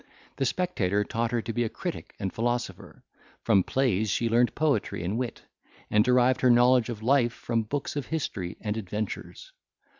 The Spectator taught her to be a critic and philosopher; from plays she learned poetry and wit, and derived her knowledge of life from books of history and adventures.